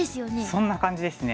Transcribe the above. そんな感じですね。